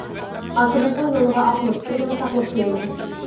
ئاكىمىزنىڭ يولىغا ئاقلىق تىنىغا ساقلىق تىلەيمەن!